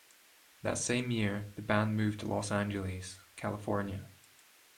That same year, the band moved to Los Angeles, California.